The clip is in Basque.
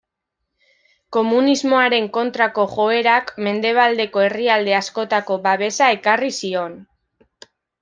Komunismoaren kontrako joerak Mendebaldeko herrialde askotako babesa ekarri zion.